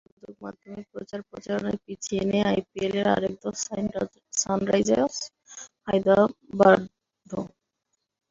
সামাজিক যোগাযোগমাধ্যমে প্রচার প্রচারণায় পিছিয়ে নেই আইপিএলের আরেক দল সানরাইজার্স হায়দরাবাদও।